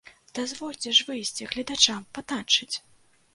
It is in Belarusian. Дазвольце ж выйсці гледачам патанчыць!